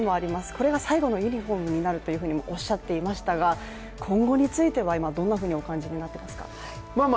これが最後のユニフォームになるともおっしゃっていましたが今後については今、どんなふうにお感じになっていますか。